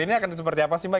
ini akan seperti apa sih mbak